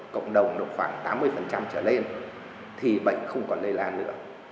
cộng đồng độ khoảng tám mươi trở lên thì bệnh không còn lây lan nữa